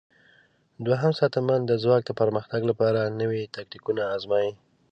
دوهم ساتنمن د ځواک د پرمختګ لپاره نوي تاکتیکونه آزمايي.